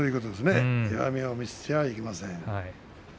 弱みを見せちゃいけません。